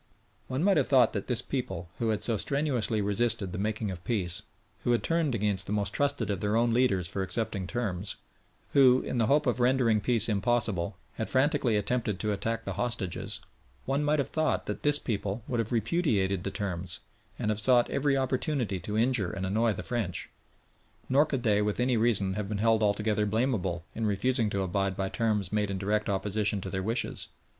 One might have thought that this people, who had so strenuously resisted the making of peace, who had turned against the most trusted of their own leaders for accepting terms, who, in the hope of rendering peace impossible, had frantically attempted to attack the hostages one might have thought that this people would have repudiated the terms, and have sought every opportunity to injure and annoy the French. Nor could they with any reason have been held altogether blamable in refusing to abide by terms made in direct opposition to their wishes.